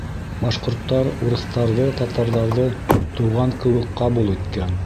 Башҡорттар урыҫтарҙы, татарҙарҙы туған кеүек ҡабул иткән